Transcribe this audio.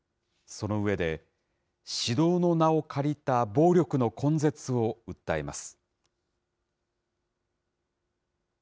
その上で、指導の名を借りた暴力の根絶を訴えます。